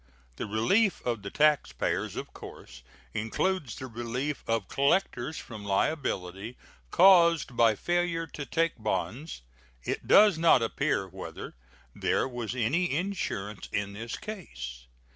The relief of the taxpayers of course includes the relief of collectors from liability caused by failure to take bonds. It does not appear whether there was any insurance in this case.